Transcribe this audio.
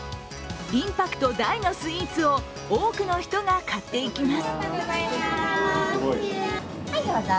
インパクト大のスイーツを多くの人が買っていきます。